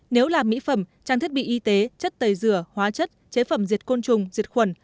nếu là mỹ phẩm trang thiết bị y tế chất tẩy rửa hóa chất chế phẩm diệt côn trùng diệt khuẩn